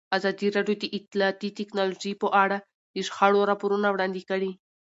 ازادي راډیو د اطلاعاتی تکنالوژي په اړه د شخړو راپورونه وړاندې کړي.